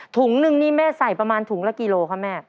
ถุงนึงนี่แม่ใส่ประมาณถุงละกิโลคะแม่